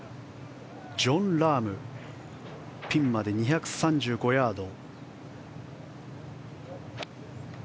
ジョン・ラームピンまで２３５ヤード。